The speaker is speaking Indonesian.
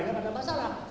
tidak ada masalah